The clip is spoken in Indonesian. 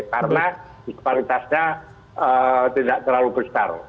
karena disparitasnya tidak terlalu besar